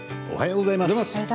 おはようございます。